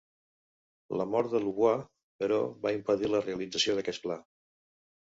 La mort de Louvois, però, va impedir la realització d'aquest pla.